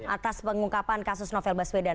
atas pengungkapan kasus novel baswedan